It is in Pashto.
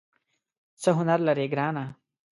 څه هنر لرې ګرانه ؟